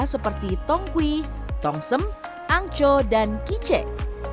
seperti tongkui tongsem angco dan kicek